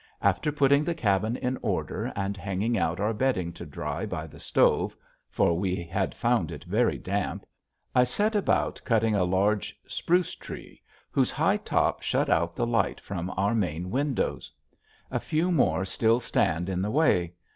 After putting the cabin in order and hanging out our bedding to dry by the stove for we had found it very damp I set about cutting a large spruce tree whose high top shut out the light from our main windows. A few more still stand in the way.